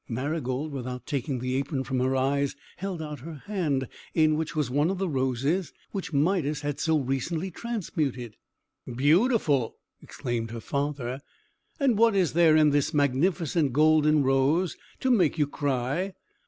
Marygold, without taking the apron from her eyes, held out her hand, in which was one of the roses which Midas had so recently transmuted. "Beautiful!" exclaimed her father. "And what is there in this magnificent golden rose to make you cry?"